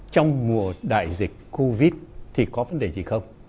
trong mùa đại dịch covid thì có vấn đề gì không